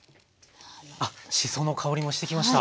あっしその香りもしてきました。